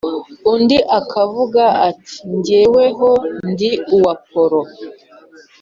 undi akavuga ati: Jyeweho ndi uwa Apolo;